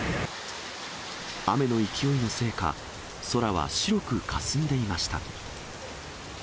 雨の勢いのせいか、空は白くかすんでいました。